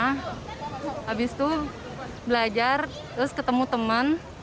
habis itu belajar terus ketemu teman